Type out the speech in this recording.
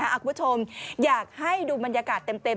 อากุธชมอยากให้ดูบรรยากาศเต็ม